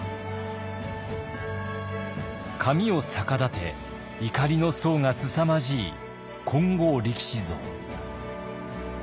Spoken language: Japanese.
髪を逆立て怒りの相がすさまじい金剛力士像。